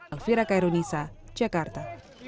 alfira kairunisa jakarta